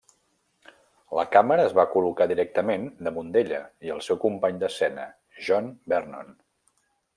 La càmera es va col·locar directament damunt d'ella i el seu company d'escena, John Vernon.